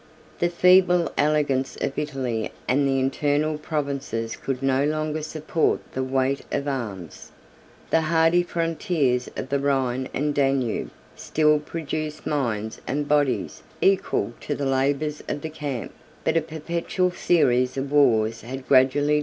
The feeble elegance of Italy and the internal provinces could no longer support the weight of arms. The hardy frontiers of the Rhine and Danube still produced minds and bodies equal to the labors of the camp; but a perpetual series of wars had gradually diminished their numbers.